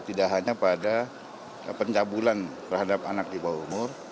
tidak hanya pada pencabulan terhadap anak di bawah umur